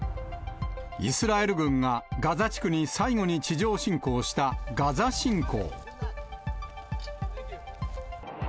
イスラエル軍がガザ地区に最後に地上侵攻したガザ侵攻。